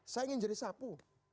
saya ingin jadi sapu